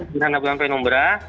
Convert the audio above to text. gerhana bulan penumbra